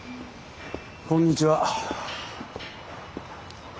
こんにちは。